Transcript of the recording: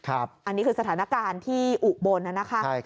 อันนี้คือสถานการณ์ที่อุบลนะคะ